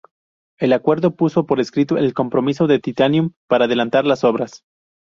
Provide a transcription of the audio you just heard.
El acuerdo puso por escrito el compromiso de Titanium para adelantar las obras.